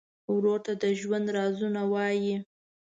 ورور ته د ژوند رازونه وایې.